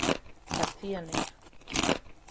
García Negro.